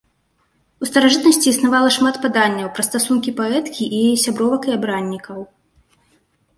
У старажытнасці існавала шмат паданняў пра стасункі паэткі і яе сябровак і абраннікаў.